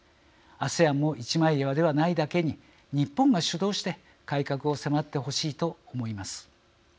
ＡＳＥＡＮも一枚岩ではないだけに日本が主導して改革を迫ってほしいと思います。